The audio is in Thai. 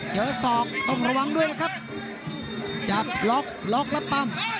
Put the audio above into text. ศอกต้องระวังด้วยนะครับจับล็อกล็อกแล้วปั้ม